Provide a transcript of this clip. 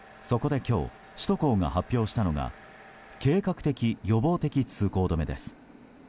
そこで今日首都高が発表したのが計画的・予防的通行止めです。